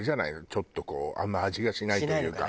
ちょっとこうあんま味がしないというか。